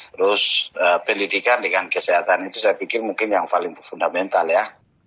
terus pendidikan dengan kesehatan itu saya pikir mungkin yang paling fundamental ya